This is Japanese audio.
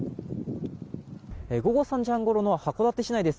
午後３時半ごろの函館市内です。